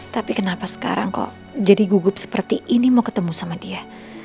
tapi kenapa sekarang kok jadi gugup seperti ini mau ketemu sama dia